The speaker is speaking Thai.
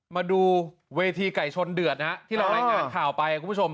มาดูเวทีไก่ชนเดือดนะฮะที่เรารายงานข่าวไปคุณผู้ชม